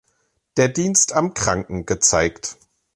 Der Dienst am Kranken" gezeigt.